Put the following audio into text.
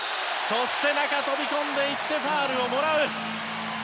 そして中に飛び込んでいってファウルをもらう。